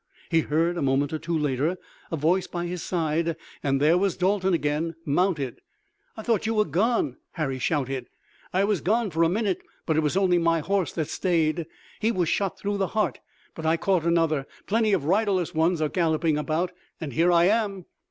He heard a moment or two later a voice by his side and there was Dalton again mounted. "I thought you were gone!" Harry shouted. "I was gone for a minute but it was only my horse that stayed. He was shot through the heart but I caught another plenty of riderless ones are galloping about and here I am."